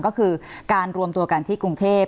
ก็คือการรวมตัวกันที่กรุงเทพ